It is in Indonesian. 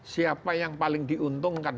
siapa yang paling diuntungkan